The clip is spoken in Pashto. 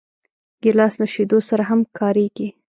ګیلاس له شیدو سره هم کارېږي.